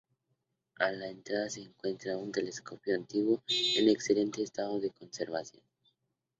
A la entrada se encuentra un telescopio antiguo en excelente estado de conservación.